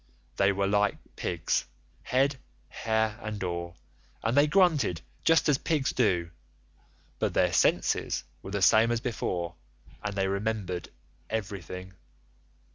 They were like pigs—head, hair, and all, and they grunted just as pigs do; but their senses were the same as before, and they remembered everything.